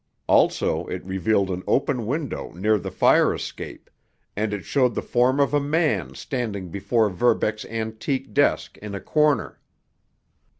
Also, it revealed an open window near the fire escape—and it showed the form of a man standing before Verbeck's antique desk in a corner.